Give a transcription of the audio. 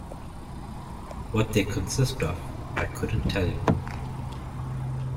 What they consist of, I couldn't tell you.